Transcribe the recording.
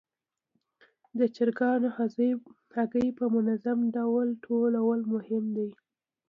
د چرګانو هګۍ په منظم ډول ټولول مهم دي.